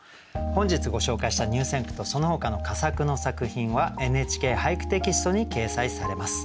本日ご紹介した入選句とそのほかの佳作の作品は「ＮＨＫ俳句テキスト」に掲載されます。